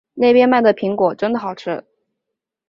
那边卖的苹果真的好吃